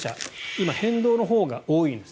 今、変動のほうが多いです。